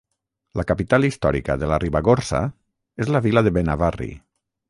La capital històrica de la Ribagorça és la vila de Benavarri.